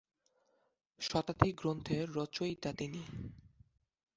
শতাধিক গ্রন্থের রচয়িতা তিনি।